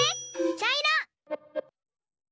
ちゃいろ！